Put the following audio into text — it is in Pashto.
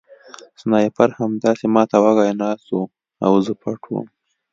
سنایپر همداسې ما ته وږی ناست و او زه پټ وم